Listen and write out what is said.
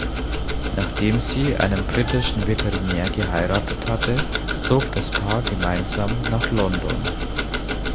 Nachdem sie einen britischen Veterinär geheiratet hatte, zog das Paar gemeinsam nach London.